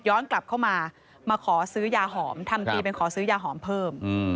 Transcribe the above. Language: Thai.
กลับเข้ามามาขอซื้อยาหอมทำทีเป็นขอซื้อยาหอมเพิ่ม